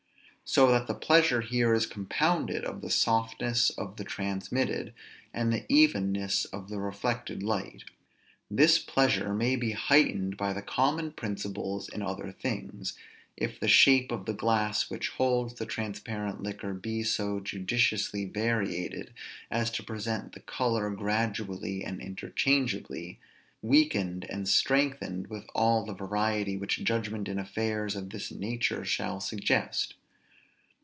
So that the pleasure here is compounded of the softness of the transmitted, and the evenness of the reflected light. This pleasure may be heightened by the common principles in other things, if the shape of the glass which holds the transparent liquor be so judiciously varied, as to present the color gradually and interchangeably, weakened and strengthened with all the variety which judgment in affairs of this nature shall suggest.